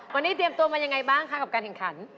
วันนี้เตรียมตัวมายังไงบ้างคะกับการแข่งขัน